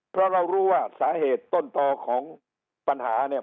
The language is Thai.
เพราะเรารู้ว่าสาเหตุต้นต่อของปัญหาเนี่ย